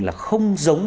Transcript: là không giống